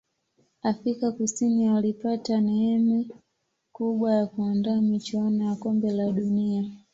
afika kusini walipata neeme kubwa ya kuandaa michuano ya kombe la dunia